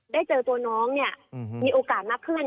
ได้เจอตัวน้องเนี่ยมีโอกาสมากขึ้น